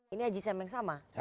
ini haji sam yang sama